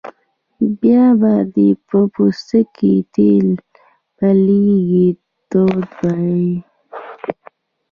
بیا به دې په پوستکي تیلی بلېږي توده به یې.